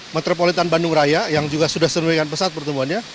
metropolitan bandung raya yang juga sudah sedemikian pesat pertumbuhannya